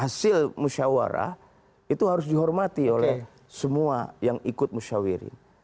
hasil musyawarah itu harus dihormati oleh semua yang ikut musyawirin